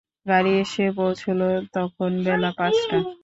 গাড়ি এসে পৌঁছল, তখন বেলা পাঁচটা।